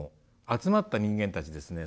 集まった人間たちですね